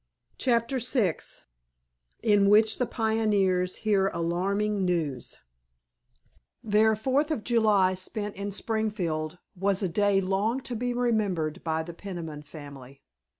*CHAPTER VI* *IN WHICH THE PIONEERS HEAR ALARMING NEWS* Their Fourth of July spent in Springfield was a day long to be remembered by the Peniman family.